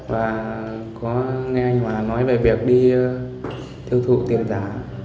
và có nghe anh hòa nói về việc đi tiêu thụ tiền giả